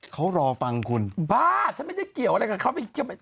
เขารอฟังคุณบ้าฉันไม่ได้เกี่ยวอะไรกับเขา